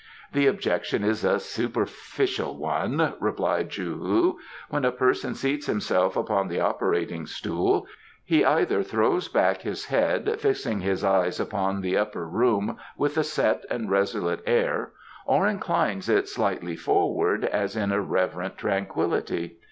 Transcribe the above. "The objection is a superficial one," replied Chou hu. "When a person seats himself upon the operating stool he either throws back his head, fixing his eyes upon the upper room with a set and resolute air, or inclines it slightly forward as in a reverent tranquillity.